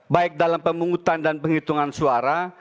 baik dalam pemungutan dan penghitungan suara